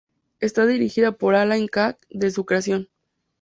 Está dirigida por Alain Kahn desde su creación.